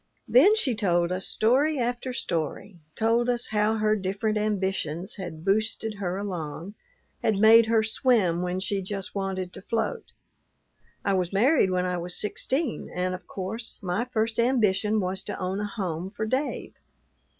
Then she told us story after story told us how her different ambitions had "boosted" her along, had made her swim when she just wanted to float. "I was married when I was sixteen, and of course, my first ambition was to own a home for Dave.